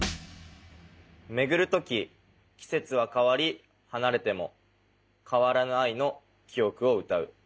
「巡る時季節は変わり離れても変わらぬ愛の記憶をうたう」。